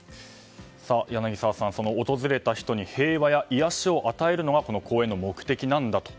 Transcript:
柳澤さん、訪れた人に平和や癒やしを与えるのがこの公園の目的なんだと。